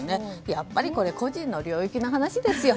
やっぱり個人の領域の話ですよ。